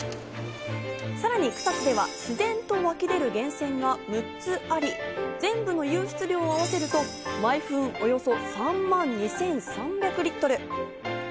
さらに草津では自然と湧き出る源泉が６つあり、全部の湧出量をあわせると毎分およそ３万２３００リットル。